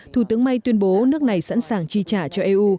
thủ tướng may tuyên bố nước này sẵn sàng chi trả cho eu